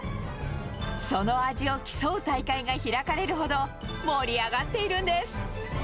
その味を競う大会が開かれるほど、盛り上がっているんです。